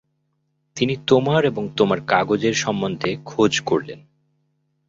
তিনি তোমার এবং তোমার কাগজের সম্বন্ধে খোঁজ করলেন।